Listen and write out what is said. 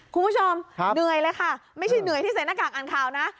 คุณผู้ชมเหนื่อยเลยค่ะไม่ใช่เหนื่อยที่ใส่หน้ากากอ่านข่าวนะ